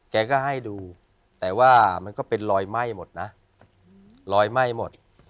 แกก็ให้ดูแต่ว่ามันก็เป็นรอยไหม้หมดนะรอยไหม้หมด